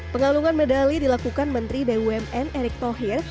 pengalungan medali dilakukan menteri bumn erick thohir